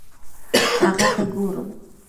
هغه ته ګورم